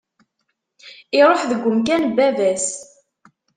Iruḥ deg umkan n baba-s.